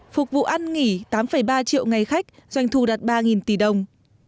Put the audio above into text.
phục vụ ăn nghỉ tám ba triệu ngày khách doanh thu đạt ba tỷ đồng